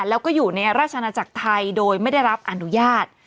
แล้วก็อยู่ในราชนาจักรไทยโดยไม่ได้รับอนุญาต